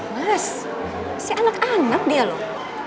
mas si anak anak dia loh